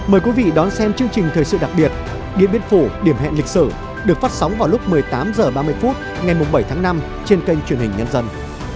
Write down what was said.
mời quý vị đón xem chương trình thời sự đặc biệt điện biên phủ điểm hẹn lịch sử được phát sóng vào lúc một mươi tám h ba mươi phút ngày bảy tháng năm trên kênh truyền hình nhân dân